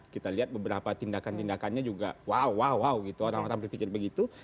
kita lihat beberapa tindakan tindakannya juga wow wow gitu orang orang berpikir begitu